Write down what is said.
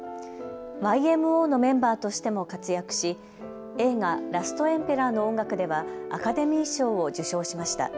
ＹＭＯのメンバーとしても活躍し映画、ラストエンペラーの音楽ではアカデミー賞を受賞しました。